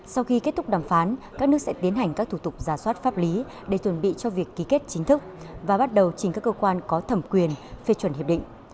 sau khi kết thúc đàm phán các nước sẽ tiến hành các thủ tục giả soát pháp lý để chuẩn bị cho việc ký kết chính thức và bắt đầu chính các cơ quan có thẩm quyền phê chuẩn hiệp định